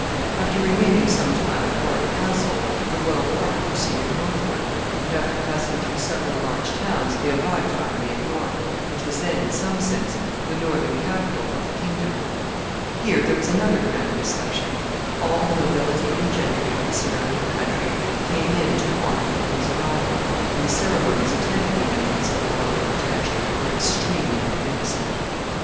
After remaining some time at Warwick Castle, the royal party proceeded northward, and, after passing through several large towns, they arrived finally at York, which was then, in some sense, the northern capital of the kingdom. Here there was another grand reception. All the nobility and gentry of the surrounding country came in to honor the king's arrival, and the ceremonies attending the entrance of the royal cortége were extremely magnificent.